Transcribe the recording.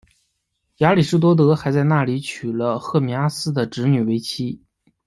亚里士多德在那里还娶了赫米阿斯的侄女为妻。